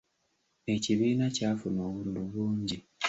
Ekibiina kyafuna obululu bungi.